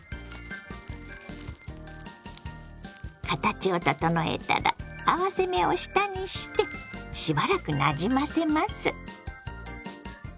形を整えたら合わせ目を下にしてしばらくなじませます。